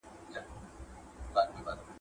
ساعت په ناوخته ټکا سره خاموشي ماته کړه.